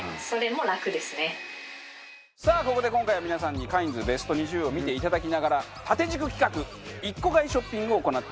さあここで今回は皆さんにカインズベスト２０を見ていただきながら縦軸企画１個買いショッピングを行ってもらいます。